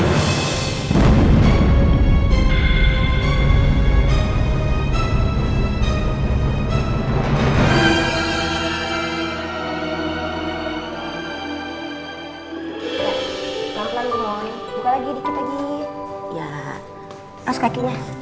dekat lagi dikit lagi